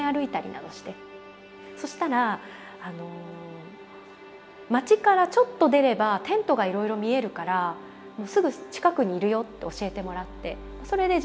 そしたら町からちょっと出ればテントがいろいろ見えるからすぐ近くにいるよって教えてもらってそれで自分で歩きながら探したんです。